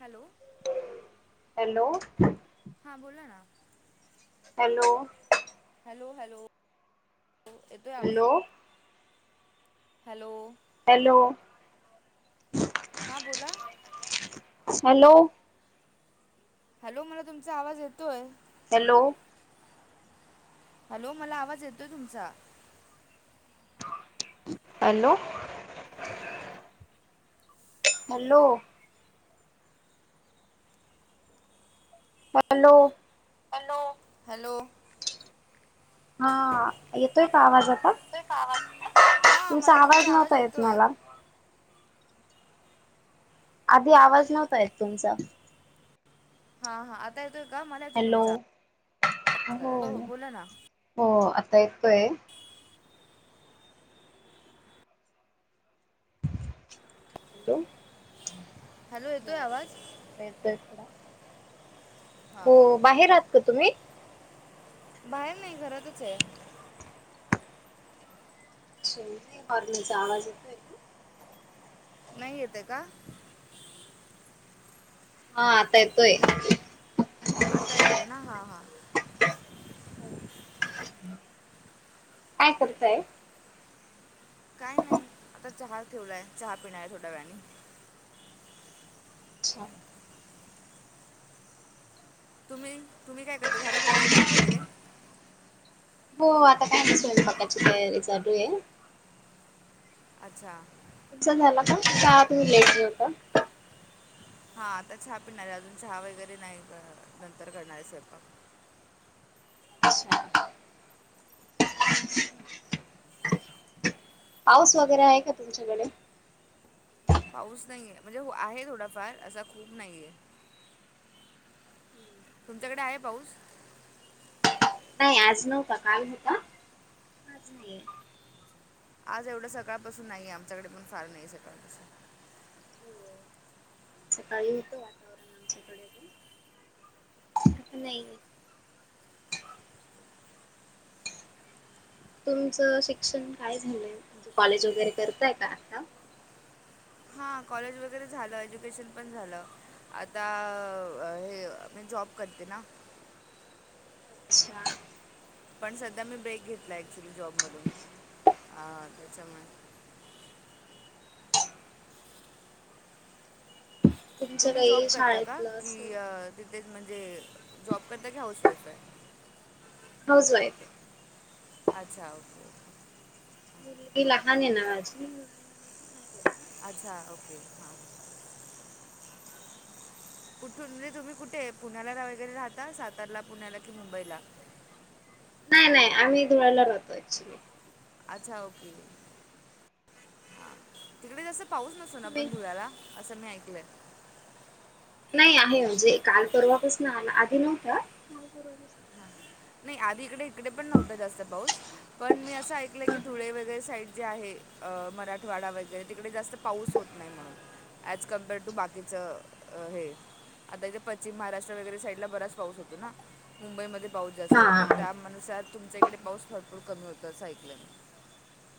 Hello. Hello. हां बोला ना हॅलो. Hello hello. येतोय आवाज हॅलो. हॅलो. हॅलो. हा बोला. हॅलो. हॅलो मला तुमचा आवाज येतोय. हॅलो. हॅलो मला आवाज येतोय तुमचा. Hello. Hello. Hello. Hello, hello. हां. येतोय हा का हा आवाज आता? येतोय का आवाज हा तुमचा मला आवाज नव्हता येत येतोय मला. आधी आवाज नव्हता येत तुमचा. हा हा. आता ये - - हॅलो हो आवाज हो बोला ना हो. आता येतोय. हॅलो. हॅलो येतोय हो आवाज आता येतोय थोडा. हा हो. बाहेर आहात का तुम्ही? बाहेर नाही. घरातच हाय. अच्छा नाही हॉर्नचा आवाज येतोय ना. नाही येताय का? हा. आता येतोय. आता येतोय ना हा हा काय करताय? काय नाही. आता चहा ठेवलाय चहा पिणार आहे थोड्या वेळाने. अच्छा. तुम्ही तुम्ही काय करता झालं तुमचं काम वगैरे? हो. आता काय स्वयंपाकाची तयारी चालूये. अच्छा. तुमचा झाला का? का तुम्ही लेट जेवता? हा. आता चहा पिणारे अजून चहा वगैरे नाही नंतर करणारे स्वयंपाक. [unintelligible] अच्छा पाऊस वगैरे आहे का तुमच्याकडे? पाऊस नाहीये म्हणजे आहे थोडाफार असा खूप नाहीये. तुमच्याकडे आहे पाऊस? नाही. आज नव्हता काल होता आज नाहीे. आज एवढं सकाळपासून नाहीे. आमच्याकडे पण फार नाही सकाळ पासून. हो. सकाळी होतं वातावरण आमच्याकडे पण. नाहीय. तुमचं शिक्षण काय झालंय म्हणजे कॉलेज वगैरे करताय का आता? [inaudible] हा कॉलेज वगैरे झालं. एज्युकेशन पण झालं. आता हे म्हणजे जॉ ब करते ना. [inaudible] अच्छा. पण सध्या मी ब्रेक घेतला ॲक्च्युली जॉबमधून याच्यामुळे तुमच्या तुम्ही जॉब काही करता का? शाळेतलं की असं तिथेच म्हणजे जॉब करता की हाऊस वाईफ हाय? हाऊस वाईफ आहे अच्छा ओके ओके. मुलगी लहान ये ना माझी म्हणून नाही केला. अच्छा ओके हा. कुठून म्हणजे तुम्ही कुठे पुण्याला वगैरे राहता? सातारला, पुण्याला कि मुंबईला. नाही नाही. आम्ही धुळ्याला राहतो ऍक्च्युली. अच्छा ओके हां तिकडे कस पाऊस नसतो ना तुम्ही पण धुळ्याला असं मी ऐकलंय? नाही आहे म्हणजे काल परवा पसन आला आधी नव्हता. नाही. आधी इकडे इकडे पण नव्हत जास्त पाऊस, पण मी असं ऐकलं की हा धुळे वगैरे साईड जे आहे मराठवाडा वगैरे तिकडे जास्त पाऊस होत नाही म्हणून. ॲज कम्पेअर्ड टू बाकीचं हे आताच्या पश्चिम महाराष्ट्र वगैरे साईडला बराच पाऊस होतो ना. मुंबईमध्ये पाऊस जास्त होतो. त्या म नुसार तुमच्या इकडे पाऊस भरपूर कमी होतो असं ऐकलंय मी.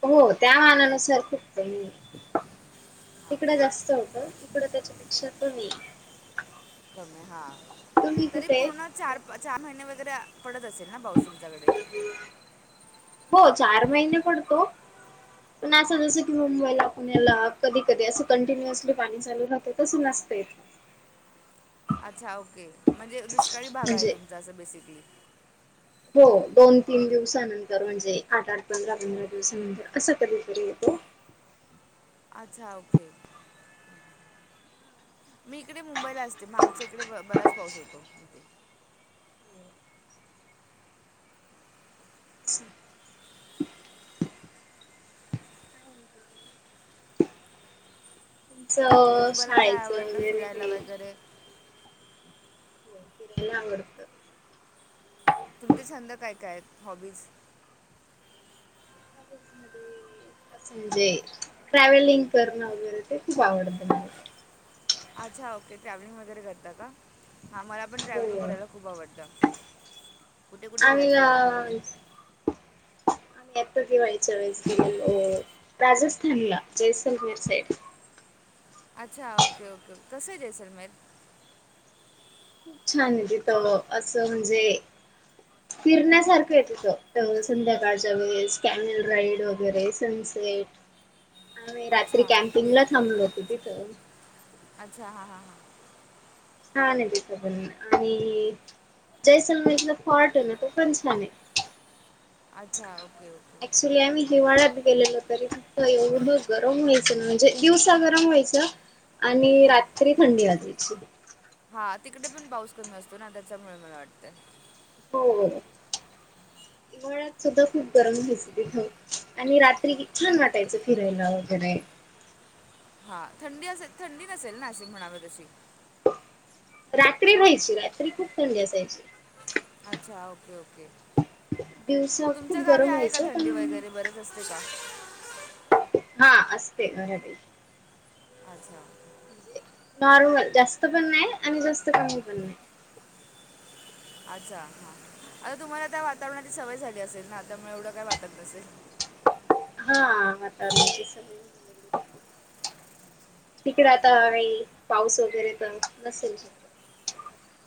हो त्या मानानुसार खूप [inaudible] तिकडं जास्त होतं. इकडं त्याच्या पेक्षा कमीये. कमी हा. तरी कुठे? पूर्ण चार चार महिने वगैरे पडत असेल ना पाऊस तुमच्याकडे. हो चार महिने पडतो. पण असं जसं की मुंबईला पुण्याला, कधी कधी असं कंटिन्युअसली पाणी चालू राहतं तसं नस तेय. अच्छा ओके, म्हणजे दुष्काळी भाग आहे म्हणजे तुमचा असं बेसिकली. हो, दोन तीन दिवसानंतर म्हणजे आठ आठ पंधरा पंधरा दिवसानंतर असं कधीतरी येतो. [inaudible] अच्छा ओके. हा मी इकडे मुंबईला असते मग आमच्या इकडे ब बराच पाऊस होतो इथे. काय म्हणता बाकी मग तुमचं तुम्हाला काय शाळेचं आवडतं वगैरे फिरायला हे वगैरे हो फिरायला आवडतं. तुमचे छंद काय काय आहेत हॉबीज? हॉबिज मध्ये, असं म्हणजे ट्रॅव्हलिंग करणं वगैरे ते खूप आवडतं मला. [inaudible] अच्छा ओके, ट्रॅव्हलिंग वगैरे करता का? हा मला पण ट्रॅव्हलिंग हो करायला खूप आवडतं. कुठे कुठे आम्ही गेलात अ फिरायला तुम्ही? आम्ही आत्ता दिवाळीच्या वेळेस गेलेलो, राजस्थानला जैसलमर साईड. अच्छा ओके ओके, कसंय जैसलमेर? खूप छान आहे तिथं असं म्हणजे फिरण्यासारखं आहे तिथं, अ संध्याकाळच्या वेळेस कॅमल राईड वगैरे सन सेट, आम्ही रात्री अच्छा कॅम्पिंगला थांबलं होतो तिथं. अच्छा हा हा हा. छान आहे. तेच पण आणि. जैय सलमाईचा इथला फॉर्ट आहे ना. तो पण छान आहे. अच्छा ओके. ओके ऍक्च्युली आम्ही हिवाळ्यात गेलेलो तरी एवढ गरम व्हायचं ना म्हणजे दिवसा गरम हो व्हायचं आणि हां रात्री थंडी वाजयची. पुन्हा च्यामुळे मला वाटतंय. हो. हिवाहाळ्यात सुद्धा खूप गरम व्हायचं तिथं. आणि रात्री छान वाटायचं फिरायला वगैरे. ह [unintelligible] हा थंडी असेल थंडी नसेल नाशिक मध्ये म्हणावे तशी. रात्री राहायची. रात्री खूप थंडी असायची. अच्छा ओके-ओके. दिवसा तुमच्या खूप गावी गरम आहे का. व्हायचं थंडी पण वगैरे बरेच असते का. हा असते रात्री. अच्छा. नॉर्मल जास्त पण नाही. आणि जास्त कमी पण नाही. अच्छा हा आता तुम्हाला त्या वातावरणाची सवय झाली असेल ना आतामुळे एवढं काय वाटत नसेल हो अ हा म स तिकडे आता ह्या वेळी पाऊस वगैरे तर नसेल शक्य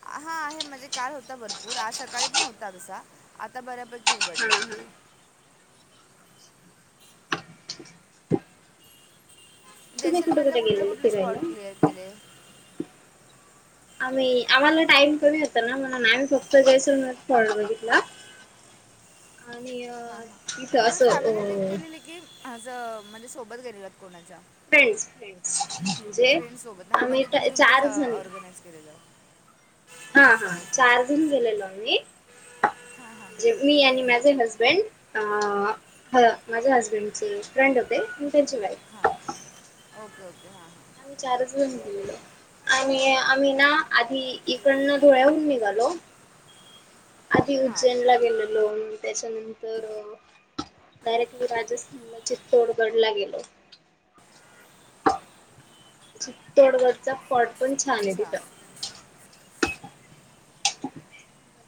हा आहे म्हणजे कार होता भरपूर आज सकाळी पण होता तसा आता बऱ्यापकी उ हा उघडलं हा तुम्ही कुठे जैसलमेडला कुठे कुठले गेलेले कुठले स्पॉट फिरायला? क्लिअर केले आम्ही आम्हाला टाइम कमी होता ना म्हण आम्ही फक्त जयसून बघितला ह हा हा मग तुम्ही फॅमिली ट्रिप अ केलेली की असं म्हणजे सोबत गेलेलं फ्रेंड्स फ्रेंड्स म्हणजे फ्रेंड सोबत हां आम्ही म्हणजे तुम्ही तुमचंच चार जण ऑर्गनाईज केलेलं आहे. हा हा अच्छा चार ओके जण गेलेलो मी हां हां म्हणजे मी आणि माझे हसबड हबंड माझ्या हसबेंडचे फ्रेंड होते त्यांची बायको हां ओके ओके हां हां आम्ही चार जण गेलेलो आणि आम्ही ना आधी इकडन धोळ्याहून निघालो आधी उज्जैन हां ला गेल लोन त्याच्यानंतर दरेट राजस्थानला चिततोडगडला गेलो चितोडगड पट पण छान आहे अच्छा तिथं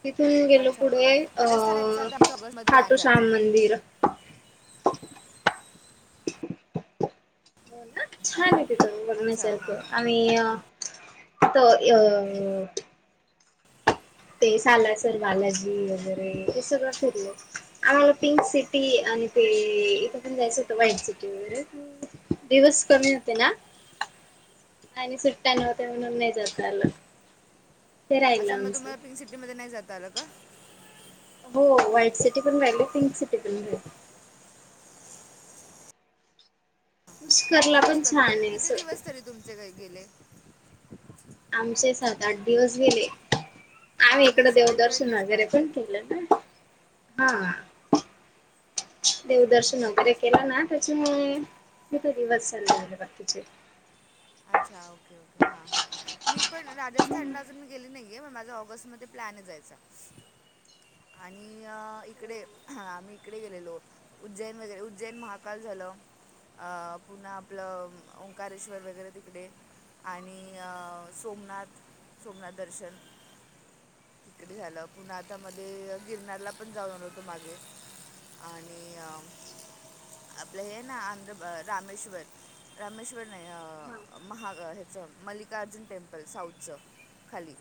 तिथून गेलो अच्छा पुढे ओके अ राजस्थान ॲक्च्युअली आता आमचं ऑगस्टमध्ये लँड खाटू श्याम जायचं मंदिर हो ना तिथं अच्छा हां बघण्यासारखं हां आणि त अ ते सालासर बालाजी वगैरे हे सगळं फिरलं आम्हाला पिंक सिटी आणि ते इथं पण जायचं होत व्हाईट सिटी वगैरे दिवस कमी होते ना आणि सुट्ट्या न होत म्हणून नाही जातलं तेरायला अच्छा मग म्हणसु तुम्हाला पिंक नाही जात आलं का हो व्हाईट सिटी पण राहिल पिंक सिटी पण राहिल पुष्करला दिवस पण कमी छान असतात आहे किती असं दिवस तरी तुमचे काही गेले आमचे सात आठ दिवस गेले आम्ही हां इकड नाही देऊ सेवन टू एट दर्शन डेज वगैरे पण पाहिजेत केलं ना हां हा सेवन देवदर्शन टू एट वगैरे डेज पण केलं ना हवं त्याच्या दिवसना नि वखचे अच्छा ओके ओके हा हा मी पण राजस्थानला अजून मी गेली नाही माझा ऑगस्ट मध्ये प्लॅन जायचा आणि इकडे आम्ही इकडे गेलेलो उज्जैन वगैरे उज्जैन महाकाल झा पु्हा आपलं ओंकारेश्वर वगरे तिकडे आणि सोमनाथ सोमनाथ दर्शन तिकडे झालं पुन आता मध्ये गिरनारला पण जाऊन होतो मागे आणि आपलं हे ना आंध्र रामेश्वर रामेश्वर नाही हा अ, महा ह्याचं मल्लिकार्जुन टेम्पल साऊथच खाली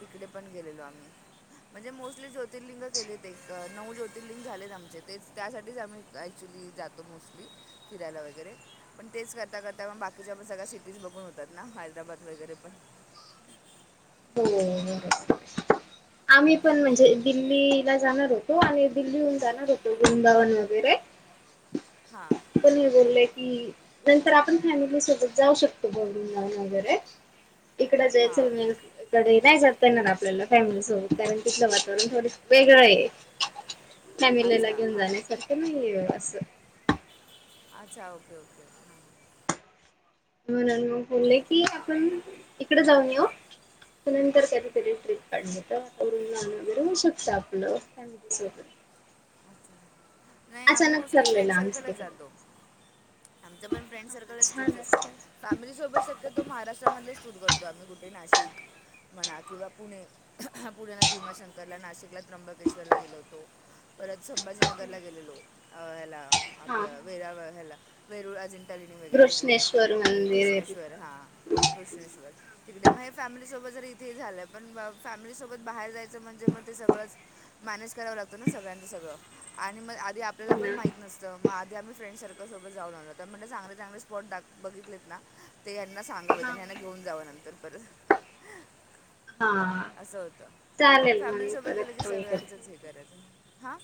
तिकडे पण गेलेलो आम्ही ह म्हणजे मोस्टली ज्योतिर्लिंग केलेत एक नऊ ज्योतिर्लिंग झालेत आमचे ते त्यासाठीच आम्ही ऍक्च्युली कियला वग पण तेण बा तिच्या पण सगळ्या सिटीज बघून होतात ना हैदराबाद वगैरे पण हो आम्ही पण म्हणजे दिल्लीला जाणार होतो आणि दिल्लीहून जाणार होतो वृंदावन वगैरे हां पण बोललंय कि नंतर आपण फॅमिली सोबत जाऊ शकतो घून जाऊन वगैरे इकड हां जयचल म कडे नाही जातय ना ना आपल्याला फॅमिली सोबत कारण तिथलं वातावरण थोड वेगळं आहे नाहीॅमिलेला अच्छा घेऊन हां जाणे हां सत नाही बसं अच्छा ओके ओके हो ना मग बोलले की आपण इकडे जाऊन येऊ नंतर कधीतरी ट्र्रीप काढण्यात तर आतावरून लहान वगैरे होऊ शकतं आपलं सोबत ह अच्छा नाही आम्ही मोस्टली फ्रेंड ठरलेलं आमचं सर्कलच तिकड जातो आमच्या पण फ्रेंड हा सर्कलच छान ट्रप् असतात असत फॅमिली सोबत शक्यतो महाराष्ट्रामधच टूर करतो आम्ही कुठे नाशिक एक म्हणा किंवा पुणे पुण्याला भीमाशंकरला नाशिकला त्र्यंबकेश्वरला गेलो होतो परत संभाजीनगरला गेलेलो ह्याला हा आपलं वेरा ह्याला वेरुळ अजं टलिने वगैरे तिकडे घृष्णेश्वर मंदिर आहे घृष्णेश्वर तिथं हा घृष्णेश्वर तिकडे मग फॅमिली सोबत जर ते झालं पण फॅमिली सोबत बाहेर जायचं म्हणजे मग ते सगळंच मॅनेज करावं लागतो ना सगळ्यांच सळ [inaudible] मग आध आपल्याला हो पण ना माही नतं म आी आम्ही फ्रेंड सर्कलसोबत जाऊन आो म्हणलं चांगले चांगले स्पॉट दा बघ ले ना ते यांना सांगावेत हा आणि यांना घेऊन जावं नंतर परत [inaudible] असं होत. चालेल मग फॅमिली मी सोबत गेलं परत की कॉल सगळ्यांचच हे करते करायचं. हा.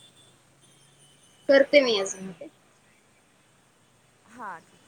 करते मी अस. हा ठीक.